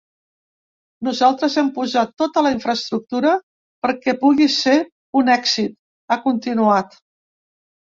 “Nosaltres hem posat tota la infraestructura perquè pugui ser un èxit”, ha continuat.